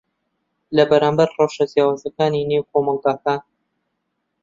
لەبەرامبەر ڕەوشە جیاوازەکانی نێو کۆمەڵگەکان